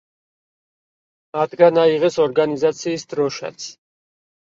მათგან აიღეს ორგანიზაციის დროშაც.